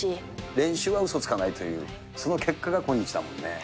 練習はうそつかないという、その結果が今日だもんね。